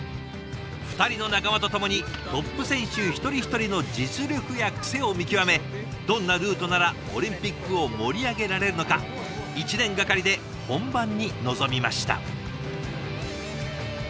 ２人の仲間と共にトップ選手一人一人の実力や癖を見極めどんなルートならオリンピックを盛り上げられるのか１年がかりで本番に臨みました。